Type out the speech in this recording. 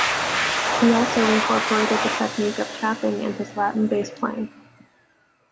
He also incorporated the technique of "tapping" in his Latin bass playing.